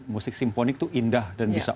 musik simponik itu indah dan bisa